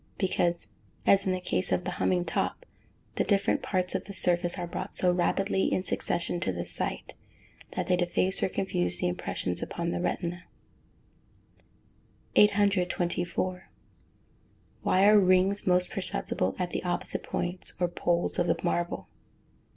_ Because, as in the case of the humming top, the different parts of the surface are brought so rapidly in succession to the sight, that they deface or confuse the impressions upon the retina. [Illustration: Fig. 28 MARBLE SPINNING RAPIDLY.] 824. _Why are rings most perceptible at the opposite points, or poles, of the marble?